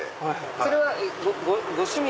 それはご趣味？